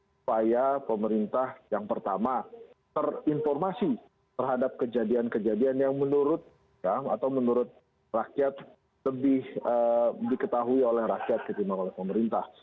supaya pemerintah yang pertama terinformasi terhadap kejadian kejadian yang menurut atau menurut rakyat lebih diketahui oleh rakyat ketimbang oleh pemerintah